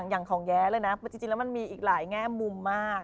อย่างของแย้เลยนะจริงแล้วมันมีอีกหลายแง่มุมมาก